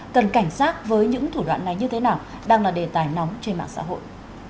cần cảnh sát với những thủ đoạn này như thế nào đang là đề tài nóng trên mạng xã hội